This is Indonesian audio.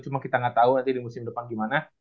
cuma kita gak tau nanti di musim depan gimana